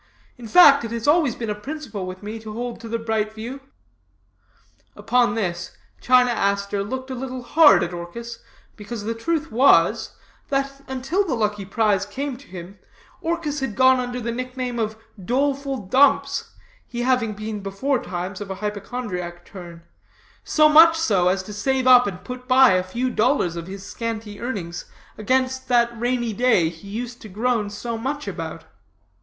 In fact, it has always been a principle with me to hold to the bright view.' "Upon this, China Aster looked a little hard at Orchis, because the truth was, that until the lucky prize came to him, Orchis had gone under the nickname of Doleful Dumps, he having been beforetimes of a hypochondriac turn, so much so as to save up and put by a few dollars of his scanty earnings against that rainy day he used to groan so much about.